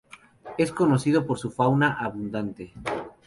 Es conocido por su fauna abundante.